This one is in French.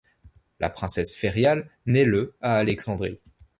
La princesse Ferial naît le à Alexandrie.